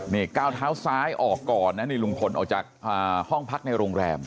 นี่ก้าวเท้าซ้ายออกก่อนนะนี่ลุงพลออกจากห้องพักในโรงแรม